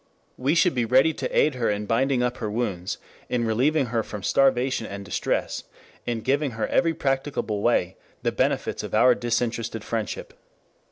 We should be ready to aid her in binding up her wounds, in relieving her from starvation and distress, in giving her in every practicable way the benefits of our disinterested friendship.